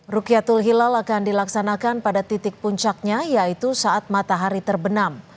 rukiatul hilal akan dilaksanakan pada titik puncaknya yaitu saat matahari terbenam